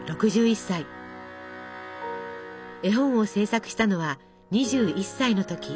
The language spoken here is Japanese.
絵本を制作したのは２１歳の時。